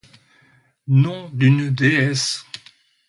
Nom d’une déesse !